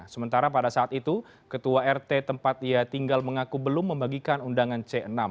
sementara pada saat itu ketua rt tempat ia tinggal mengaku belum membagikan undangan c enam